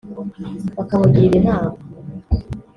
bakamugira inama